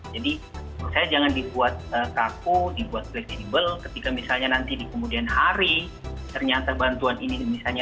jadi menurut saya jangan dibuat takut dibuat fleksibel ketika misalnya nanti di kemudian hari ternyata bantuan ini misalnya